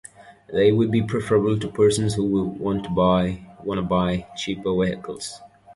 They would be preferable to persons who want to buy cheaper vehicles.